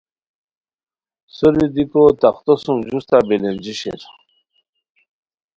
سوری دیکو تختو سُم جوستہ بلینجی شیر